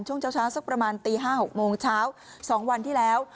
ช่วงเช้าสักประมาณตี๕๖โมงเช้า๒วันที่แล้ว